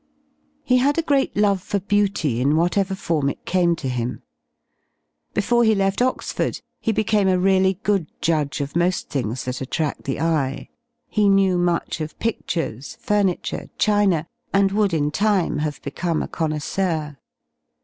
He had a. great love for beauty in what ever form it came to him. Before he left Oxford he became a really good judge of moSl things that attrad the eye. He knetv much of pidures, furniture, china, and would in time have become a connoisseur.